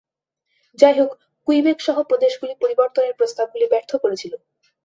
যাইহোক, কুইবেক সহ প্রদেশগুলি পরিবর্তনের প্রস্তাবগুলি ব্যর্থ করেছিল।